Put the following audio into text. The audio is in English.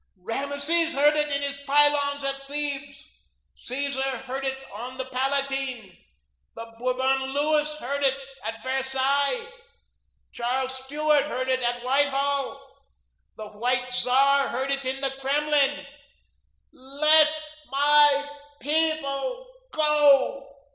Rameses heard it in his pylons at Thebes, Caesar heard it on the Palatine, the Bourbon Louis heard it at Versailles, Charles Stuart heard it at Whitehall, the white Czar heard it in the Kremlin, 'LET MY PEOPLE GO.'